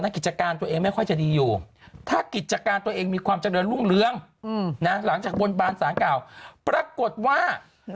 กิจการตัวเองมีความเจริญรุ่งเรือกนะหลังจากบนบันสารเก่าปรากฏว่า